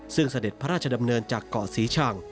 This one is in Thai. ซึ่งเสด็จพระราชดำเนินจากเกาะศรีชัง